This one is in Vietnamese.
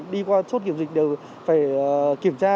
đi qua chốt kiểm dịch đều phải kiểm tra